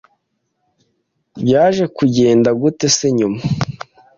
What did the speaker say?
Byaje kugenda gute se nyuma